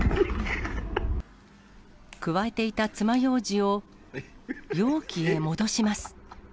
くわえていたつまようじを、容器へ戻します。